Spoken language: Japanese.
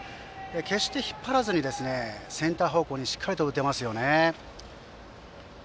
決して引っ張らずにセンター方向にしっかり打てますね。